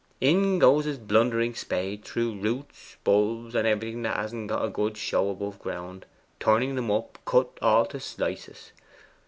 In goes his blundering spade, through roots, bulbs, everything that hasn't got a good show above ground, turning 'em up cut all to slices.